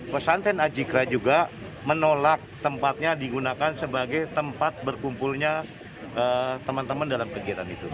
pesantren ajikra juga menolak tempatnya digunakan sebagai tempat berkumpulnya teman teman dalam kegiatan itu